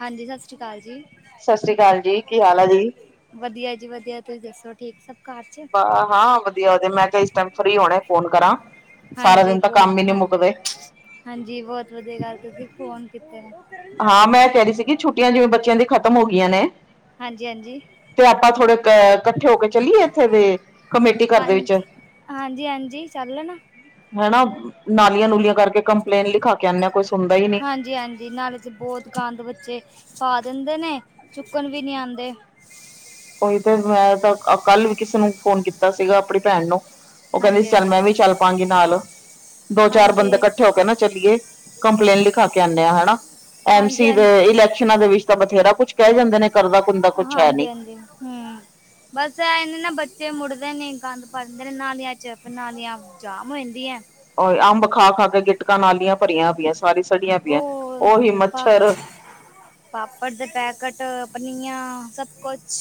ਹਾਂਜੀ ਸਤਿ ਸ੍ਰੀ ਅਕਾਲ ਜੀ। ਸਤਿ ਸ੍ਰੀ ਅਕਾਲ ਜੀ ਕੀ ਹਾਲ ਹੈ ਜੀ ਵਧੀਆ ਜੀ ਵਧੀਆ ਤੁਸੀਂ ਦੱਸੋ ਠੀਕ ਸਭ ਕਾਰ ਚ ਹਾਂ ਵਧੀਆ ਵਧੀਆ ਮੈਂ ਤੇ ਇਸ ਟਾਈਮ ਫਰੀ ਹੋਣਾ ਫੋਨ ਕਰਾਂ ਸਾਰਾ ਹਾਂਜੀ ਦਿਨ ਤਾਂ ਬਹੁਤ ਕੰਮ ਹੀ ਨਹੀਂ ਹਾਂਜੀ ਮੁੱਕਦੇ ਹਾਂਜੀ ਬਹੁਤ ਵਧੀਆ ਗੱਲ ਤੁਸੀਂ ਫੋਨ ਕੀਤੇ ਹਾਂ ਮੈਂ ਕਹਿ ਰਹੀ ਸੀ ਕਿ ਛੁੱਟੀਆਂ ਜਿਵੇਂ ਬੱਚਿਆਂ ਦੀ ਖ਼ਤਮ ਹੋ ਗਈਆਂ ਨੇ ਹਾਂਜੀ ਹਾਂਜੀ। ਤੇ ਆਪਾਂ ਥੋੜੇ ਅ ਇਕੱਠੇ ਹੋ ਕੇ ਚਲੀਏ ਇੱਥੇ ਦੇ ਕਮੇਟੀ ਘਰ ਦੇ ਵਿੱਚ ਹਾਂਜੀ ਹਾਂਜੀ ਹਾਂਜੀ ਚੱਲ ਨਾ ਹਨਾ ਨਾਲੀਆਂ ਨੂਲੀਆਂ ਕਰਕੇ ਕੰਪਲੇਂਨ ਲਿਖਾ ਕੇ ਆਉਂਦੇ ਹਾਂ, ਕੋਈ ਸੁਣਦਾ ਹੀ ਨੀ ਹਾਂਜੀ ਹਾਂਜੀ ਨਾਲੇ ਬਹੁਤ ਗੰਦ ਬੱਚੇ ਪਾ ਦਿੰਦੇ ਨੇ ਕਣ ਵੀ ਨਹੀਂ ਆਉਂਦੇ ਉਹੀ ਫੇਰ ਮੈਂ ਤਾਂ ਕੱਲ ਵੀ ਕਿਸੇ ਨੂੰ ਫੋਨ ਕੀਤਾ ਸੀਗਾ ਆਪਣੀ ਭੈਣ ਨੂੰ ਉਹ ਕਹਿੰਦੀ ਹਾਂਜੀ ਸੀ ਚੱਲ ਹਾਂਜੀ ਮੈਂ ਵੀ ਚੱਲ ਪਾਂਗੀ ਨਾਲ ਦੋ ਚਾਰ ਬੰਦੇ ਹਾਂਜੀ ਇਕੱਠੇ ਹੋ ਕੇ ਨਾ ਚੱਲੀਏ ਕੰਪਲੇਂਨ ਲਿਖਾ ਕੇ ਆਉਂਦੇ ਆ ਹਨਾ। ਐਮ ਹਾਂਜੀ ਸੀ ਦੇ ਹਾਂਜੀ ਇਲੈਕਸ਼ਨਾਂ ਦੇ ਵਿੱਚ ਤਾਂ ਬਥੇਰਾ ਕੁਛ ਕਹਿ ਜਾਂਦੇ ਨੇ ਕਰਦਾ ਕੁੁੰਦਾ ਕੁਛ ਹੈ ਹਾਂਜੀ ਨਹੀਂ ਹਾਂਜੀ ਹਮ। ਬਸ ਇ ਨਾ ਬੱਚੇ ਮੁੜਦੇ ਨਹੀਂ ਗੰਦ ਪਾਂਦੇ ਨੇ ਨਾਲੀਆਂ ਚ ਨਾਲੀਆਂ ਜਾਮ ਹੋ ਜਾਂਦੀਆਂ ਉਹ ਅੰਬ ਖਾ ਖਾ ਕੇ ਗਿੱਟਕਾਂ ਨਾਲੀਆਂ ਭਰੀਆਂ ਪਈਆਂ ਸਾਰੀ ਸੜੀਆਂ ਪਈਆਂ ਹੋਰ ਉਹੀ ਪਾ ਮੱਛਰ ਪਾਪੜ ਦੇ ਪੈਕੇਟ ਪਨੀਆ ਸਭ ਕੁਛ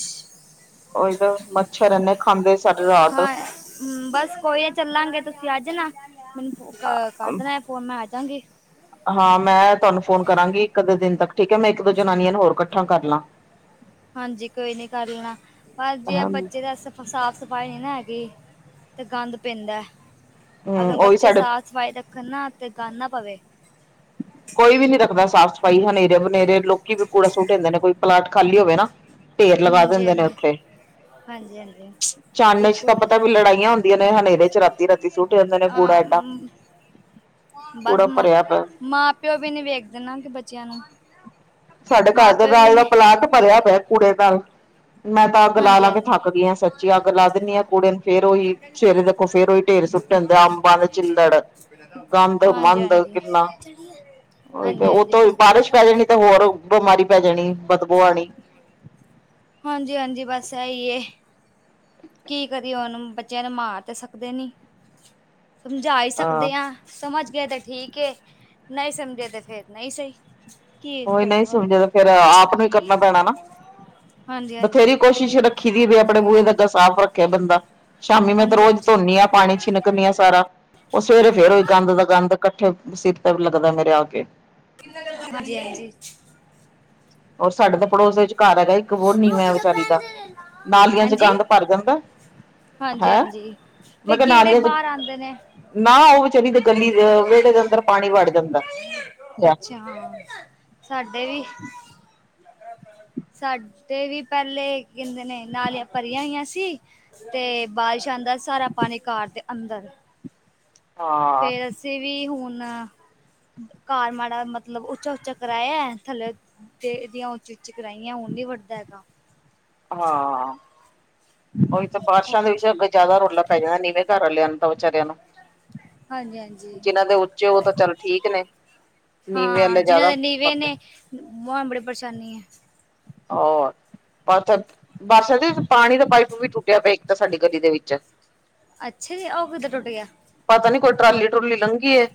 ਉਹੀ ਤ ਮੱਛਰ ਇੰਨੇ ਖਾਂਦੇ ਸਾਡੇ ਰਾਤ ਹਮ ਬਸ ਕੋਈ ਆ ਚੱਲਾਂਗੇ ਤੁਸੀਂ ਅੱਜ ਨਾ ਮੈਨੂੰ ਫ ਕਰ ਦੇਣਾ ਫੋਨ ਮੈਂ ਆ ਜਾਗੀ ਹਾਂ ਮੈਂ ਤੁਹਾਨੂੰ ਫੋਨ ਕਰਾਂਗੀ ਇੱਕ ਅੱਧੇ ਦਿਨ ਤੱਕ ਠੀਕ ਹੈ ਮੈਂ ਇੱਕ ਦੋ ਜਨਾਨੀਆਂ ਨੂੰ ਹੋਰ ਇਕੱਠਾ ਕਰ ਲਾਂ [inaudible] ਹਾਂਜੀ ਕੋਈ ਨੀ ਕਰ ਲੈਣਾ ਪਰ ਜੇ ਹਮ ਬੱਚੇ ਦਾ ਸਾਫ ਸਫ਼ਾਈ ਨੀ ਨਾ ਹੈਗੀ ਤੇ ਗੰਦ ਪੈਂਦਾ ਅਗਰ ਉਹੀ ਬੱਚੇ ਸਾਡੇ ਸਾਥ ਸਵਾਈ ਰੱਖਣ ਨਾ ਅਤੇ ਗਨ ਨਾ ਪਵੇ ਕੋਈ ਵੀ ਨੀ ਰੱਖਦਾ ਸਾਫ਼ ਸਫ਼ਾਈ ਹਨੇਰੇ ਵਨੇਰੇ ਲੋਕੀ ਵੀ ਕੂੜਾ ਸੂਟ ਆਂਦੇ ਨੇ ਕੋਈ ਪਲਾਟ ਖਾਲੀ ਹੋਵੇ ਨਾ। ਢੇਰ ਲਗਾ ਹਾਂਜੀ ਦੇਂਦੇ ਨੇ ਹਾਂਜੀ ਓਥੇ। ਹਾਂਜੀ, ਹਾਂਜੀ ਚਾਨਨੇ ਚ ਬਿਲਕੁਲ ਤਾਂ ਪਤਾ ਵੀ ਲੜਾਈਆਂ ਹੁੰਦੀਆਂ ਨੇ ਹਨੇਰੇ ਚ ਰਾਤੀ ਰਾਤੀ ਸੁੱਟ ਆਂਦੇ ਨੇ ਕੂੜਾ ਏਡਾ। ਅ ਬਸ ਕੂੜਾ ਮ ਭਰਿਆ ਪਿਆ ਮਾਂ ਪਿਓ ਵੀ ਨੀ ਵੇਖਦੇ ਨਾ ਕਿ ਬੱਚਿਆਂ ਨੂੰ। ਸਾਡੇ ਘਰ ਮਾਂ ਦੇ ਪਿਓ ਵੀ ਬਾਰਲਾ ਨੀ ਪਲਾਟ ਭਰਿਆ ਪਿਆ ਏ ਕੂੜੇ ਨਾਲ। ਮੈਂ ਤਾਂ ਅੱਗ ਲਾ, ਹਾਂਜੀ ਲਾ ਕੇ ਹਾਂਜੀ ਥੱਕ ਗਈ ਆਂ ਸੱਚੀ ਅੱਗ ਲਾ ਦਿੰਨੀ ਆਂ ਕੁੂੜੇ ਨੂੰ ਫੇਰ ਓਈ ਸਵੇਰੇ ਦੇ ਓ ਫੇਰ ਓਈ ਢੇਰ ਸੁੱਟ ਆਣਦੇ ਅੰਬਾਂ ਦੇ ਚਿੱਲੜ, ਗੰਦ ਹਾਂਜੀ ਮੰਦ ਹਾਂਜੀ ਕਿੰਨਾ। ਉਹੀ ਤੇ ਹਾਂਜੀ-ਹਾਂਜੀ ਉਤੋਂ ਬਿਲਕੁਲ ਬਾਰਿਸ਼ ਪੈ ਜਾਣੀ ਤਾਂ ਹੋਰ ਬਿਮਾਰੀ ਪੈ ਜਾਣੀ ਬਦਬੋ ਆਣੀ। ਹਾਂਜੀ, ਹਾਂਜੀ ਬਸ ਐ ਈ ਏ। ਕੀ ਕਰੀਏ ਹੁੰਨ ਬੱਚਿਆਂ ਨੂੰ ਮਾਰ ਤੇ ਸਕਦੇ ਨੀ ਸਮਝਾ ਈ ਹਾਂ ਸਕਦੇ ਆ। ਸਮਝ ਗਏ ਤੇ ਠੀਕ ਏ ਨਈ ਸਮਜੇ ਤੇ ਫੇਰ ਨਈ ਸਈ। ਓਈ ਨਈ ਸਮਝੇ ਤਾ ਫੇਰ ਆਪ ਨੂੰ ਹੀ ਕਰਨਾ ਪੈਣਾ ਨਾ। ਹਾਂਜੀ-ਹਾਂਜੀ ਬਥੇਰੀ ਕੋਸ਼ਿਸ਼ ਰੱਖੀ ਦੀ ਵੀ ਆਪਣੇ ਬੂਏ ਦਾ ਦਸ ਸਾਫ਼ ਰੱਖੇ ਬੰਦਾ ਸ਼ਾਮੀ ਮੈਂ ਤੇ ਰੋਜ਼ ਹਾਂਜੀ-ਹਾਂਜੀ ਧੋਨੀ ਆ ਪਾਣੀ ਛਿਨਕ ਆਂ ਸਾਰਾ ਓ ਸਵੇਰੇ ਫੇਰ ਓਈ ਗੰਦ ਦਾ ਗੰਦ ਕੱਠੇ ਸਿਰ ਤੇ ਲੱਗਦਾ ਮੇਰੇ ਆ ਕੇ। ਹਾਂਜੀ ਹਾਂਜੀ [unintelligible] ਔਰ ਸਾਡੇ ਤਾਂ ਪੜੋਸ ਵਿਚ ਘਰ ਹੈਗਾ ਈ ਹੋਰ ਨੀਵਾਂ ਰੁਕ ਏ ਜਾ ਵਿਚਾਰੀ ਭੈਣ ਦਾ ਨਾਲੀਆਂ ਚ ਗੰਦ ਭਰ ਜਾਂਦਾ। ਹਾਂਜੀ, ਹੈ ਹਾਂਜੀ ਮੈਂ ਤੇ ਕਿਹਾ ਕੀੜੇ ਨਾਲੀਆਂ ਚ ਬਾਅਰ ਆਂਦੇ ਨੇ। ਨਾ ਓ ਵਿਚਾਰੀ ਦੇ ਗੱਲੀ ਦੇ ਵੇੜੇ ਦੇ ਅੰਦਰ ਪਾਣੀ ਵੜ ਜਾਂਦਾ ਅੱਛਾਾਂ ਸਾਡੇ ਵੀ [unintelligible] [inaudible] ਸਾਡੇ ਵੀ ਪੈਲੇ ਕੈਂਦੇ ਨੇ ਨਾਲੀਆਂ ਭਰੀਆਂ ਹੋਈਆਂ ਸੀ। ਤੇ ਬਾਰਿਸ਼ ਆਂਦਾ ਸੀ ਸਾਰਾ ਪਾਣੀ ਘਰ ਤੇ ਅੰਦਰ। ਹਾ ਫੇਰ ਅਸੀਂ ਵੀ ਹੁਣ ਘਰ ਮਾੜਾ ਮਤਲਬ ਉੱਚਾ ਉੱਚਾ ਕਰਾਇਐ ਥੱਲੇ ਫੇਰ ਇਹਦੀਆਂ ਉੱਚੀ ਉੱਚੀ ਕਰਾਈਆਂ ਹੁਣ ਨੀ ਵੱਢਦਾ ਹੈਗਾ। ਹਾਂ ਓਈ ਤਾਂ ਬਾਰਿਸ਼ਾਂ ਦੇ ਵਿੱਚ ਜ਼ਿਆਦਾ ਰੋਲਾ ਪੈ ਜਾਂਦਾ ਨੀਵੇਂ ਘਰ ਆਲਿਆਂ ਨੂੰ। ਵਿਚਾਰਿਆਂ ਨੂੰ ਹਾਂਜੀ-ਹਾਂਜੀ ਜਿਨਾਂ ਦੇ ਉੱਚੇ ਓ ਤਾਂ ਚੱਲ ਠੀਕ ਨੇ। ਨੀਵੇਂ ਹਾਂ ਵਾਲੇ ਜਿਨਾਂ ਜ਼ਿਆਦਾ ਦੇ ਨੀਵੇਂ ਕਰਦੇ ਨੇ ਮ ਬੜੀ ਪਰੇਸ਼ਾਨੀ ਐ। ਹੋਰ [unintelligible] ਬਸ ਬਸ ਦੀ ਪਾਣੀ ਦਾ ਪਾਈਪ ਵੀ ਟੁੱਟਿਆ ਪਿਆ ਇੱਕ ਤਾਂ ਸਾਡੀ ਗਲੀ ਦੇ ਵਿੱਚ। ਅੱਛਾ ਜੀ ਓ ਕਿੱਦਾ ਟੁਟ ਗਿਆ। ਪਤਾ ਨੀ ਕੋਈ ਟਰਾਲੀ ਟਰੂਲੀ ਲੰਘੀ ਏ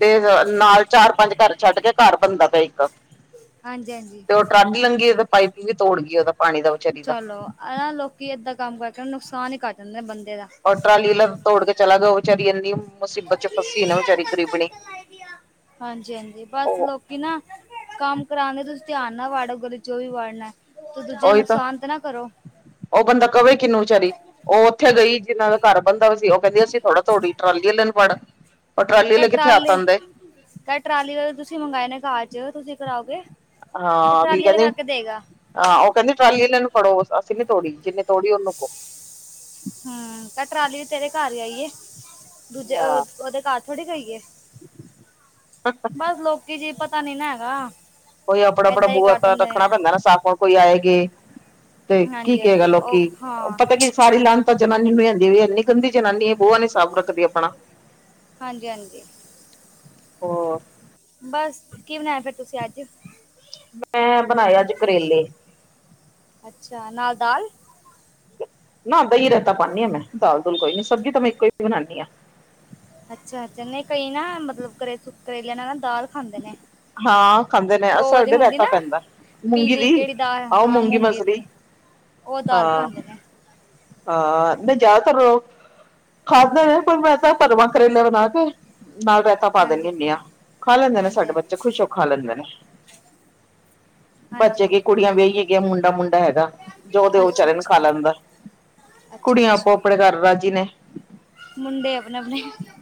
ਤੇ ਨਾਲ ਚਾਰ, ਪੰਜ ਘਰ ਛੱਡ ਕੇ ਘਰ ਬਣਦਾ ਪਿਆ ਇੱਕ। ਹਾਂਜੀ, ਹਾਂਜੀ। ਤੇ ਟਰਾਲੀ ਲੰਘੀ ਓਦੇ ਪਾਈਪ ਵੀ ਤੋੜ ਗਈ ਓਦਾ ਪਾਣੀ ਦਾ। ਵਿਚਾਰੀ ਦਾ ਚਲੋ ਅਨਾ ਲੋਕੀ ਏਦਾਂ ਕੰਮ ਕਰਕੇ ਨੁਕਸਾਨ ਈ ਕਰ ਦੇਂਦੇ ਨੇ ਬੰਦੇ ਦਾ। ਔਰ ਟਰਾਲੀ ਲੱਗ ਤੋੜ ਗੇ। ਚਲਾ ਗਿਆ ਓ ਵਿਚਾਰੀ ਏਨੀ ਮੁਸੀਬਤ ਚ ਫਸੀ ਏ ਨਾ ਵਚਾਰੀ ਗਰੀਬਣੀ ਓਹ। ਕਿ ਨਾ ਕੰਮ ਕਰਾਨੇ ਤੁਸੀਂ ਧਿਆਨ ਨਾਲ ਵਾੜੋ ਗਲੀ ਚ ਜੋ ਵੀ ਵਾੜਨਾ ਐ। ਤੇ ਦੂਜੇ ਨੁਕਸਾਨ ਤੇ ਨਾ ਕਰੋ। ਓ ਬੰਦਾ ਕਵੇ ਕਿੰਨੂੰ ਵਿਚਾਰੀ, ਓ ਓਥੇ ਗਈ ਜਿਨਾ ਦਾ ਘਰ ਬਣਦਾ ਪੇਆ ਸੀ ਓ ਕੈਂਦੀ ਅਸੀਂ ਥੋੜਾ ਥੋੜੀ ਟਰਾਲੀ ਆਲੇ ਨੂੰ ਫੜ੍ਹ ਪਰ ਟਰਾਲੀੇ ਆਲੇ ਕਿੱਥੇ ਹੱਥ ਆਂਦੇ। ਕਹਿ ਟਰਾਲੀ ਦਾ ਤਾਂ ਤੁਸੀਂ ਮੰਗਏ ਨੇ ਕਾਰ ਚ ਤੁਸੀਂ ਕਰਾਓਗੇ। ਕਿ ਹਾਂ ਟਰਾਲੀ ਲਗਾ [unintelligible] ਕੇ ਦੇਗਾ ਹਾਂ, ਓ ਕਹਿੰਦੀ ਟਰਾਲੀ ਆਲਿਆਂ ਨੂੰ ਫੜੋ ਅਸੀਂ ਨੀ ਤੋੜੀ ਜਿੰਨੇ ਤੋੜੀ ਉਹਨੂੰ ਕੋ। ਹੂੰ, ਤਾਂ ਟਰਾਲੀ ਵੀ ਤੇਰੇ ਘਰ ਆਈਏ ਦੂਜੇ ਹਾਂ ਉਹਦੇ ਘਰ। ਥੋੜ੍ਹੇ ਖਾਈਏ। [inaudible] ਬਸ ਲੋਕੀ ਜੀ ਪਤਾ ਨੀ ਨਾ ਹੈਗਾ। ਕੋਈ ਆਪਣਾ ਆਪਣਾ ਐਦਾਂ ਹੀ ਬੂਆ ਕਰ ਤਾਂ ਦਿੰਦੇ ਰੱਖਣਾ ਨੇ ਪੈਂਦਾ ਨਾ ਸਾਫ਼ ਕੋਈ ਆਏ ਗੇ। ਤੇ ਕੀ ਹਾਂਜੀ ਕਹੇਗਾ ਹਾਂਜੀ ਲੋਕੀ ਉਹ ਹਾਂ ਪਤਾ ਕੀ ਸਾਰੀ ਲਾਣ ਤਾ ਜ਼ਨਾਨੀ ਲਿਆਂਦੀ ਵੇ ਇੰਨੀ ਗੰਦੀ ਜ਼ਨਾਨੀ ਏ, ਬੂਆ ਨੀ ਸਾਫ਼ ਰੱਖਦੀ ਆਪਣਾ ਹਾਂਜੀ ਹਾਂਜੀ ਹੋਰ? ਬਸ, ਕੀ ਬਣਾਇਆ ਫਿਰ ਤੁਸੀ ਅੱਜ? ਮੈ ਬਣਾਏ ਅੱਜ ਕਰੇਲੇ ਅੱਛਾ, ਨਾਲ ਦਾਲ ਨਾ ਦਹੀਂ ਰੈਤਾ ਪਾਂਨੀ ਆ ਮੈਂ, ਦਾਲ-ਦੂਲ ਕੋਈ ਨੀ। ਸਬਜ਼ੀ ਤਾਂ ਮੈਂ ਇੱਕੋ ਈ ਬਨਾਂਨੀ ਆ। ਅੱਛਾ, ਚਨੇ ਕਈ ਨਾ ਮਤਲਬ ਕਰੇ-ਕਰੇਲਿਆਂ ਨਾਲ ਨਾ ਦਾਲ ਖਾਂਦੇ ਨੇ। ਹਾਂ, ਖਾਂਦੇ ਨੇ। ਅ ਉਹ ਵਾਲੀ ਸਾਡੇ ਹੁੰਦੀ ਰੈਤਾ ਨਾ ਪੈਂਦਾ ਮੂੰਗੀ ਪੀਲੀ ਦੀ ਕਿਹੜੀ ਦਾਲ ਆਹੋ ਹਾਂ ਮੂੰਗੀ ਮਸਰੀ ਦੀ, ਉਹ ਦਾਲ ਹਾਂ ਖਾਂਦੇ ਨੇ। ਹਾਂ, ਨਹੀ ਜ਼ਿਆਦਾਤਰ ਲੋਕ ਖਾਧਾ ਵਾ। ਪਰ ਮੈ ਤਾਂ ਭਰਵਾਂ ਕਰੇਲੇ ਬਣਾ ਕੇ, ਨਾਲ ਰੈਤਾ ਤਾ ਪਾ ਦੇਨੀ ਹਾਂਜੀ ਹੁੰਦੀ ਆ। ਹਾਂਜੀ ਖਾ ਲੈਂਦੇ ਨੇ ਹਾਂਜੀ ਸਾਡੇ ਹਾਂਜੀ ਬੱਚੇ, ਖੁਸ਼ ਹੋ ਖਾ ਲੈਂਦੇ ਨੇ ਹਾਂਜੀ ਬੱਚੇ ਕੀ ਹਾਂਜੀ ਕੁੜੀਆਂ ਵੀਆਈ ਹੈਗੀਆਂ ਮੁੰਡਾ-ਮੁੰਡਾ ਹੈਗਾ ਜੋ ਦੇਓ ਅੱਛਾ ਵਿਚਾਰੇ ਨੂੰ ਖਾ ਅੱਛਾ ਲੈਂਦਾ। ਅੱਛਾ ਕੁੜੀਆਂ ਅੱਛਾ ਆਪੋ-ਆਪਣੇ ਘਰ ਰਾਜ਼ੀ ਨੇ ਮੁੰਡੇ ਅਪਣੇ-ਅਪਣੇ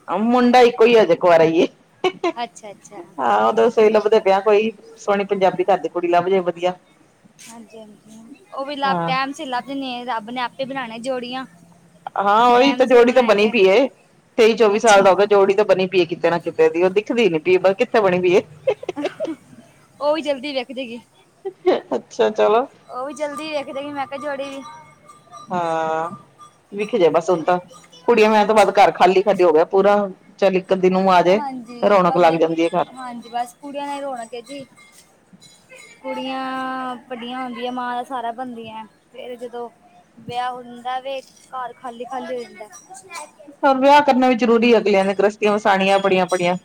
ਆ ਮੁੰਡਾ ਇੱਕੋ ਈ ਏ, ਹਜੇ ਕਵਾਰਾ ਈ ਏ। ਅੱਛਾ-ਅੱਛਾ। ਬਸ ਉਈ ਲੱਭਦੇ ਪੈ ਆਹ, ਕੋਈ ਸੋਹਣੀ ਪੰਜਾਬੀ ਘਰ ਦੀ ਕੁੜੀ ਲੱਭਜੇ ਵਧੀਆ ਹਾਂਜੀ-ਹਾਂਜੀ, ਉਹ ਵੀ ਲੱਭ ਹਾਂ। ਟੈਮ ਸੀ ਲੱਭ ਜਾਂਨੀ ਏ, ਰੱਬ ਨੇ ਆਪੇ ਬਨਾਨਾ ਜੋੜੀਆਂ। ਹਾਂ ਓਹੀ ਟਾਈਮ ਤੇ ਸੇ ਜੋੜੀ ਤਾਂ ਬਣੀ ਬਣਾਏਂਗੇ ਪਈ ਏ। ਤੇਈ-ਚੌਵੀ ਸਾਲ ਦਾ ਅੱਛਾ ਹੋ ਗਿਆ, ਜੋੜੀ ਤਾਂ ਬਣੀ ਪੀ ਏ ਕਿਤੇ ਨਾ ਕਿਤੇ ਉਹਦੀ। ਉਹ ਦਿਖਦੀ ਨੀ ਪੀ ਬੀ ਕਿੱਥੇ ਬਣੀ ਦੀ ਏ। ਉਹ ਵੀ ਜਲਦੀ ਵਿਕਦੇ ਈ ਏ। ਅੱਛਾ ਚਲੋ। ਓ ਵੀ ਚਲਦੀ ਦੇੇਖ ਦੇਗੀ ਮੈ ਕਿਹਾ ਜੋੜੀ ਵੀ ਹਾਂ, ਵੇਖੀ ਜਾਉ ਬਸ ਹੁਣ ਤਾਂ, ਕੁੜੀਆਂ ਵਿਆਣ ਤੋ ਹਾਂ ਬਾਅਦ ਘਰ ਖਾਲੀ-ਖਾਲੀ ਹੋ ਗਿਆ ਪੂਰਾ ਚੱਲ ਇੱਕ-ਅਦੀ ਨੂੰਹ ਆਜੇ, ਹਾਂਜੀ ਰੌਣਕ ਬਸ ਲੱਗ ਦੇਖ ਜਾਂਦੀ ਏ ਘਰ। ਹਾਂਜੀ, ਬਸ ਕੁੜੀਆਂ ਨਾ ਈ ਰੋਣਕ ਜੀ। ਕੁੜੀਆਂ ਵੱਡੀਆਂ ਹੁੰਦੀਆਂ ਮਾਂ ਦਾ ਸਾਰਾ ਬਣਦੀਐਂ। ਫੇਰ ਜਦੋ ਵਿਆਹ ਹੁੰਦਾ ਵੇ, ਘਰ ਖ਼ਾਲੀ-ਖ਼ਾਲੀ ਹੋ ਜਾਂਦਾ। ਹੁਣ ਵਿਆਹ ਕਰਨਾ ਵੀ ਜ਼ਰੂਰੀ। ਅਗਲਿਆਂ ਨੇ ਗ੍ਰਸਤੀਆਂ ਵਸਾਣੀਆਂ ਬੜੀਆਂ- ਬੜੀਆਂ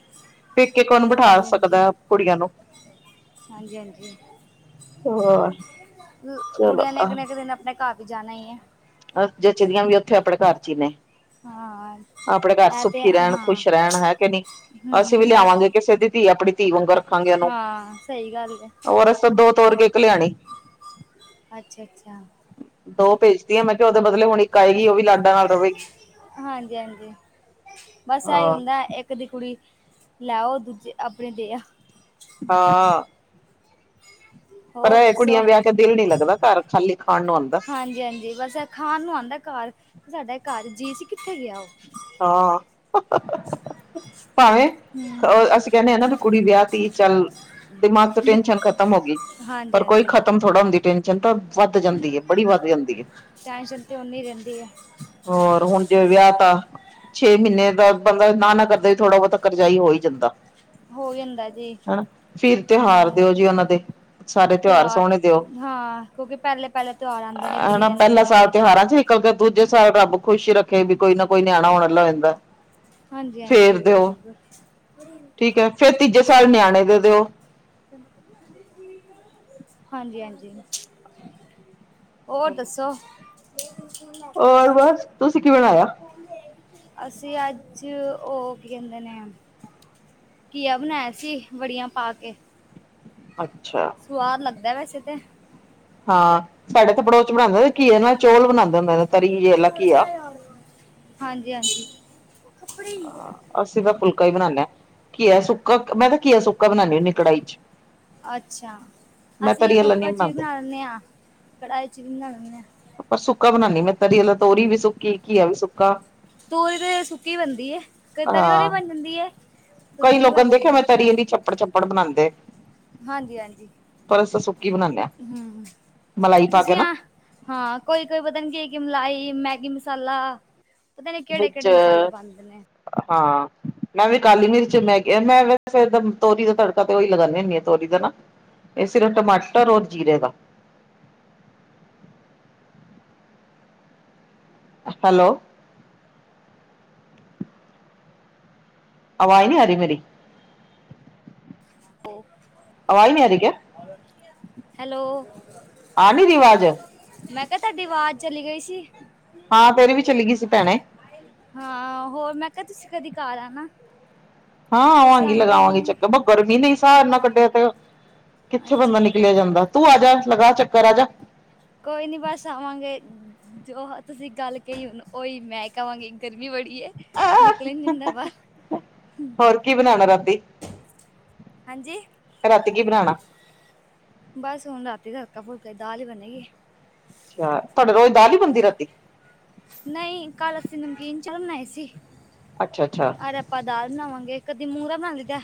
ਪੇਕੇ ਕੌਣ ਬਿਠਾ ਸਕਦਾ, ਕੁੜੀਆਂ ਨੂੰ ਹਾਂਜੀ-ਹਾਂਜੀ ਹੋਰ ਚਲੋ ਕੁੜੀਆਂ ਨੇ ਇੱਕ ਨੇ ਇੱਕ ਨਾ ਇੱਕ ਦਿਨ ਆਪਣੇ ਘਰ ਤੇ ਜਾਣਾ ਈ ਐ। ਜੱਚਦੀਆਂ ਵੀ ਉਥੇ ਆਪਣੇ ਘਰ 'ਚ ਈ ਨੇ ਹਾਂ ਆਪਣੇ ਘਰ ਇਹ ਤੇ ਸੁੱਖੀ ਰਹਿਣ, ਹਾਂ ਖੁਸ਼ ਰਹਿਣ ਹੈ ਕਿ ਨਹੀ ਅਸੀਂ ਵੀ ਹਮ ਇਹ ਲਿਆਵਾਂਗੇ ਕਿਸੇ ਦੀ ਧੀ ਆਪਣੀ ਧੀ ਵਾਂਗੂ ਰੱਖਾਂਗੇ ਉਹਨੂੰ। ਹਾਂ ਸਹੀ ਗੱਲ ਹੈ ਔਰ ਅਸਾਂ ਦੋ ਤੋਰ ਕੇ, ਇੱਕ ਲਿਆਣੀ। ਅੱਛਾ-ਅੱਛਾ। ਦੋ ਭੇਜਤੀਆ, ਮੈ ਕਿਹਾ ਉਹਦੇ ਬਦਲੇ ਹੁਣ ਇ ਇੱਕ ਆਈ ਹੀ, ਉਹ ਵੀ ਲ ਹਾਂਜੀ-ਹਾਂਜੀ ਬਸ ਇਹੀ ਹਾਂ ਹੁੰਦਾ ਇੱਕ ਕਦੀਂ ਕੁੜੀ ਲੈ ਓ, ਦੂਜੇ ਆਪਣੇ ਦੇ ਆ ਹਾਂ। ਪਰ ਹੋਰ ਐਹ ਕੁੜੀਆਂ ਦੱਸੋ ਵਿਆਹ ਕੇ ਦਿਲ ਨੀ ਲੱਗਦਾ। ਘਰ ਖ਼ਾਲੀ ਖਾਣ ਨੂੰ ਆਂਦਾ ਹਾਂਜੀ ਹਾਂਜੀ ਬਸ ਖਾਣ ਨੂੰ ਆਂਦਾ ਘਰ ਤੇ ਸਾਡਾ ਘਰ ਜੀ ਸੀ ਕਿੱਥੇ ਗਿਆ ਓ ਹਾਂ ਭਾਵੇਂ ਹਮ ਅਸੀਂ ਕਹਿਨੇ ਆ ਨਾ ਵੀ ਕੁੜੀ ਵਿਆਹ ਤੀ ਚੱਲ ਦਿਮਾਗ ਤੋਂ ਬੁ- ਟੈਨਸ਼ਨ ਖਤਮ ਹੋ ਗਈ ਹਾਂਜੀ ਪਰ ਕੋਈ ਹਾਂਜੀ ਖਤਮ ਥੋੜਾ ਹੁੰਦੀ ਟੈਨਸ਼ਨ ਤਾਂ ਵੱਧ ਜਾਂਦੀ ਐ ਬੜੀ ਵੱਧ ਜਾਂਦੀ ਐ। ਟੈਨਸ਼ਨ ਤੇ ਓਨੀ ਰਹਿੰਦੀ ਐ। ਹੋਰ ਹੁਣ ਜਿਵੇਂ ਵਿਆਹ ਤਾਂ ਛੇ ਮਹੀਨੇ ਦਾ ਬੰਦਾ ਨਾ ਨਾ ਕਰਦਾ ਥੋੜਾ ਬਹੁਤਾ ਕਰਜਾਈ ਹੋਈ ਜਾਂਦਾ। ਹੋ ਜਾਂਦਾ ਜੀ ਹਨਾਂ ਫਿਰ ਤਿਉਹਾਰ ਹਮ ਦਿਓ ਜੀ ਉਹਨਾਂ ਦੇ, ਸਾਰੇ ਤਿਉਹਾਰ ਸੋਹਣੇ ਦਿਓ ਹਾਂ ਕਿਉਂਕਿ ਪਹਿਲੇ ਪਹਿਲੇ ਤਿਉਹਾਰ ਆਉਂਦੇ ਨੇ ਕੁੜੀ ਹਨਾ ਦੇ ਨਵੇਂ ਪਹਿਲਾ ਸਾਲ ਨਵੇਂ ਤਿਉਹਾਰਾਂ ਚ ਕਿਉਂਕਿ ਦੂਜੇ ਸਾਲ ਰੱਬ ਖੁਸ਼ ਈ ਰੱਖੇ ਵੀ ਕੋਈ ਨਾ ਕੋਈ ਨਿਆਣਾ ਹੋਣ ਵਾਲਾ ਰਹਿੰਦਾ। ਹਾਂਜੀ ਹਾਂਜੀ ਬਿਲਕੁਲ ਬਿਲਕੁਲ, ਠੀਕ ਐ ਤੇ ਫੇਰ ਤੀਜੇ ਸਾਲ ਨਿਆਣੇ ਦੇ ਦਿਓ। ਹਾਂਜੀ ਹਾਂਜੀ, ਹੋਰ ਦੱਸੋ? ਔਰ ਬਸ ਤੁਸੀਂ ਕਿ ਬਣਾਇਆ ਅਸੀਂ ਅੱਜ ਓ ਕੀ ਕਹਿੰਦੇ ਨੇ, ਘੀਆ ਬਣਾਇਆ ਸੀ ਬੜੀਆਂ ਪਾ ਕੇ, ਅੱਛਾ, ਸੁਆਦ ਲੱਗਦਾ ਵੈਸੇ ਤੇ, ਹਾਂ ਸਾਡੇ ਤੇ ਪੜੋਸ ਚ ਬਣਾਂਦੇ ਨੇ ਘੀਏ ਨਾਲ ਚੌਲ ਬਣਾਂਦਾ ਹੁੰਦਾ ਨੇ ਤਰੀ ਜੇ ਵਾਲਾ ਘੀਆ ਹਾਂਜੀ ਹਾਂਜੀ। ਅਸੀਂ ਤਾਂ ਫੁਲਕਾ ਈ ਬਣਾਨੇ ਆ ਘੀਆ ਸੁੱਕਾ ਮੈਂ ਤਾਂ ਘੀਆ ਸੁੱਕਾ ਬਣਾਨੀ ਹੁੰਨੀ ਕੜਾਹੀ ਚ ਅੱਛਾ, ਮੈਂ ਅਸੀਂ ਤਰੀ ਵਾਲਾ ਨਹੀਂ ਕੁੱਕਰ ਚ ਵੀ ਬਣਾਉਂਦੇ ਬਣਾ ਲੈਣੇ ਆ ਕੜਾਹੀ ਚ ਵੀ ਬਣਾ ਲੈਣੇ ਆ। ਪਰ ਸੁੱਕਾ ਬਣਾਨੀ ਮੈਂ ਤਰੀ ਵਾਲਾ ਤੋਰੀ ਵੀ ਸੁੱਕੀ ਘੀਆ ਵੀ ਸੁੱਕਾ ਤੋਰੀ ਤੇ ਸੁੱਕੀ ਬਣਦੀ ਐ ਕਈ ਤਰੀ ਵਾਲੀ ਵੀ ਹਾਂ ਬਣ ਜਾਂਦੀ ਐ ਕਈ ਸੁੱਕੀ ਵੀ ਲੋਕਾਂ ਬਣ ਨੇ ਦੇਖਿਆ ਜਾਂਦੀ ਮੈਂ ਐ। ਤਰੀ ਆਲੀ ਚੱਪੜ ਚੱਪ ੜ ਬਣਾਂਦੇ, ਹਾਂਜੀ ਹਾਂਜੀ, ਬਣਾਉਂਦੇ ਹਾਂ ਹੂੰ, ਮਲਾਈ ਪਾ ਕੇ ਤੁਸੀਂ ਨਾ ਆ ਹਾਂ, ਕੋਈ ਕੋਈ ਪਤਾ ਨੀ ਕੇ ਕੀ ਮਲਾਈ ਮੈਗੀ ਮਸਾਲਾ, ਪਤਾ ਨੀ ਕਿਹੜੇ ਕਿਹੜੇ ਮਸਾਲੇ ਪਾਉਂਦੇ ਨੇ [unintelligible] ਹਾਂ, ਮੈਂ ਵੀ ਕਾਲੀ ਮਿਰਚ ਮੈਂ ਮੈਂ ਵੈ ਫੇ ਤੋਰੀ ਦਾ ਤੜਕਾ ਤੇ ਓਹੀ ਲਗਾਨੀ ਹੁੰਨੀ ਆ। ਤੋਰੀ ਦਾ ਨਾ ਇਹ ਸਿਰਫ ਟਮਾਟਰ ਔਰ ਜੀਰੇ ਦਾ, ਹੈਲੋ, ਆਵਾਜ਼ ਨੀ ਆ ਰੀ ਮੇਰੀ ਹੋ ਆਵਾਜ਼ ਨੀ ਆ ਰਹੀ ਕਿਆ ਹੈਲੋ, ਆ ਨੀ ਰਹੀ ਆਵਾਜ਼ ਮੈਂ ਕਿਹਾ ਤੁਹਾਡੀ ਆਵਾਜ਼ ਚਲੀ ਗਈ ਸੀ। ਹਾਂ ਤੇਰੀ ਵੀ ਚਲੀ ਗਈ ਸੀ ਭੈਣੇ ਹਾਂ ਹੋਰ ਮੈਂ ਕਿਹਾ ਤੁਸੀਂ ਕਦੀ ਘਰ ਆਣਾ ਹਾਂ ਤੁਸੀਂ ਆਵਾਂਗੀ ਆਉਂਦੇ ਹੀ ਲਗਾਵਾਂਗਿ ਨੀ ਚੱਕਰ ਬ ਗਰਮੀ ਨ ਸਾਹ ਇਨਾ ਕੱਢਿਆ ਤੇ ਕਿੱਥੇ ਅੱਛਾ ਬੰਦਾ ਨਿਕਲਿਆ ਜਾਂਦਾ ਤੂੰ ਆ ਜਾ ਲਗਾ ਚੱਕਰ ਆ ਜਾ। ਕੋਈ ਨੀ ਬਸ ਆਵਾਂਗੇ। ਜੋ ਤੁਸੀਂ ਗੱਲ ਕਹੀ ਹੁਣ ਉਹੀ ਮੈਂ ਕਵਾਂਗੀ ਗਰਮੀ ਬੜੀ ਏ। ਨਿਕਲ ਨ ਜਾਂਦਾ ਵਾ ਹੋਰ ਕੀ ਬਣਾਉਣਾ ਰਾਤੀ ਹਾਂਜੀ, ਰਾਤੀ ਕੀ ਬਣਾਣਾ ਬਸ ਹੁਣ ਰਾਤੀ ਦਾ ਹਲਕਾ ਫੁਲਕਾ ਦਾਲ ਹੀ ਬਣੇਗੀ। ਅੱਛਾ ਤੁਹਾਡੇ ਰੋਜ਼ ਦਾਾਲ ਨੀ ਬਣਦੀ ਹਮ ਰਾਤੀ। ਨਹੀਂ ਕੱਲ ਅਸੀਂ ਨਮਕੀਨ ਚੱਵਲ ਬਨਾਏ ਸੀ। ਅੱਛਾ ਅੱਛਾ ਅਰ ਆਪਾਂ ਦਾਲ ਬਣਾਵਾਂਗੇ ਕਦੀ ਮੂੰਰਾ ਬਣਾ ਲਈਦਾ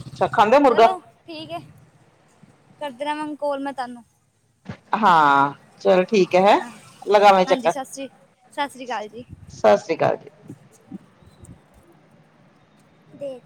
ਅੱਛਾ ਖਾਂਦੇ ਮੁਰਗਾ ਚਲੋ ਠੀਕ ਹੈ ਕਰਦਾ ਹਾ ਕੋਲ ਮੈਂ ਤੁਹਾਨੂੰ ਹਾਂ ਚਲੋ ਠੀਕ ਹੈ ਹੈ ਹਾਂ ਲਗਾਵੇਂ ਹਾਂਜੀ ਚੱਕਰ ਸਤਿ ਸ੍ਰੀ ਸਤਿ ਸ੍ਰੀ ਅਕਾਲ ਜੀ ਸਤਿ ਸ੍ਰੀ ਅਕਾਲ ਜੀ ਦੇ